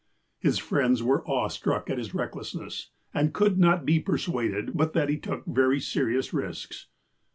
His friends were awe struck at his recklessness, and could not be persuaded but that he took very serious risks.